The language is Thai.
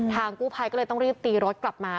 กู้ภัยก็เลยต้องรีบตีรถกลับมา